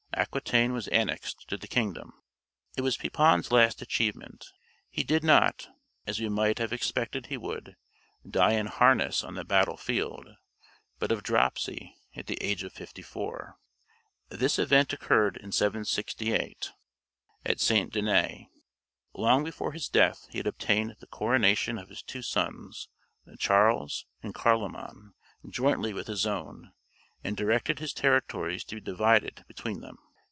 Aquitaine was annexed to the kingdom. It was Pepin's last achievement. He did not, as we might have expected he would, die in harness on the battle field, but of dropsy, at the age of fifty four. This event occurred in 768, at St. Denis. Long before his death he had obtained the coronation of his two sons, Charles and Carloman, jointly with his own, and directed his territories to be divided between them.